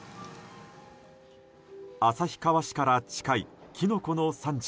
旭川市から近いキノコの産地